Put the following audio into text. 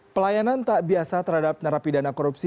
pelayanan tak biasa terhadap narapidana korupsi